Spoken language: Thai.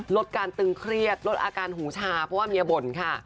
ลดการตึงเครียดลดอาการหูชาเพราะว่าเมียบ่นค่ะ